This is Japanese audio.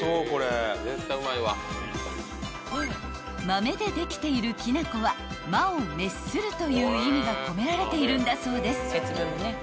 ［豆でできているきな粉は魔を滅するという意味が込められているんだそうです］